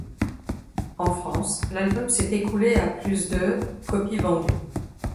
En France, l'album s'est écoulé à plus de copies vendues.